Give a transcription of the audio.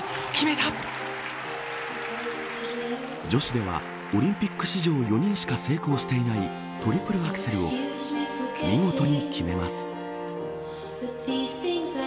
女子ではオリンピック史上４人しか成功していないトリプルアクセルを見事に決めます。